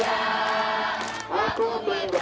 hanya dua minggu saja